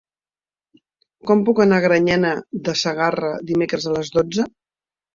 Com puc anar a Granyena de Segarra dimecres a les dotze?